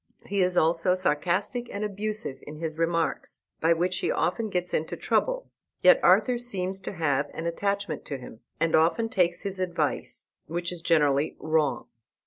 He is also sarcastic and abusive in his remarks, by which he often gets into trouble. Yet Arthur seems to have an attachment to him, and often takes his advice, which is generally wrong.